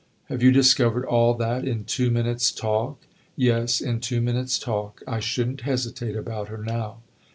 "Have you discovered all that in two minutes' talk?" "Yes, in two minutes' talk. I should n't hesitate about her now!"